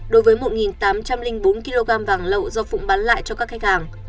đối với một tám trăm linh bốn kg vàng lậu do phụng bán lại cho các khách hàng